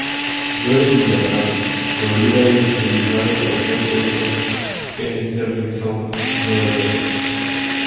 John en Miramar, Florida y masterizado por Ted Jensen en Sterling Sound, Nueva York.